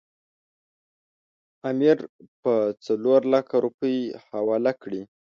امیر به څلورلکه روپۍ حواله کړي.